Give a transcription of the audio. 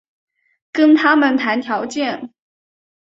跟他们谈条件